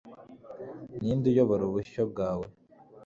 Ninde uyobora ubushyo bwawe